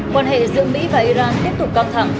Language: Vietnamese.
quan hệ giữa mỹ và iran tiếp tục căng thẳng